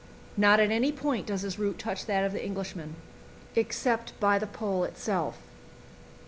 Not at any point does his route touch that of the Englishmen except by the Pole itself.